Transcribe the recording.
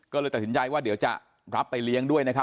ก็เลยตัดสินใจว่าเดี๋ยวจะรับไปเลี้ยงด้วยนะครับ